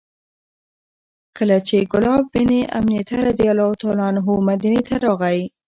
کله چې کلاب بن امیة رضي الله عنه مدینې ته راغی،